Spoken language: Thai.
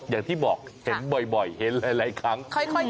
อย่างที่บอกเห็นบ่อยเห็นหลายครั้ง